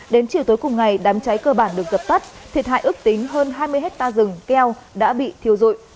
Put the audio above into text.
đến chiều tối cùng ngày đám cháy cơ bản được dập tắt thiệt hại ước tính hơn hai mươi hectare rừng keo đã bị thiêu dụi